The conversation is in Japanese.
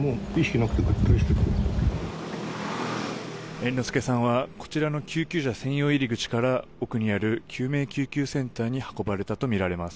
猿之助さんはこちらの救急車専用入り口から奥にある救命救急センターに運ばれたとみられます。